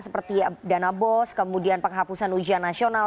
seperti dana bos kemudian penghapusan ujian nasional